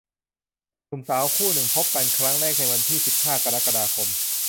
หนุ่มสาวคู่หนึ่งพบกันครั้งแรกในวันที่ สิบห้า กรกฎาคม